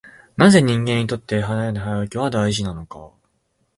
なぜ人間にとって早寝早起きは大事なのか。